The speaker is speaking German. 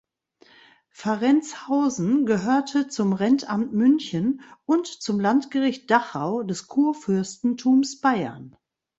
Fahrenzhausen gehörte zum Rentamt München und zum Landgericht Dachau des Kurfürstentums Bayern.